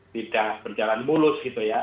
tidak berjalan mulus gitu ya